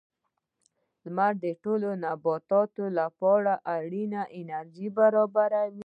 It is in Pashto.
• لمر د ټولو نباتاتو لپاره اړینه انرژي برابروي.